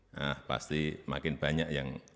nah pasti makin banyak yang